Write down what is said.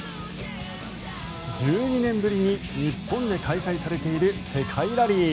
１２年ぶりに日本で開催されている世界ラリー。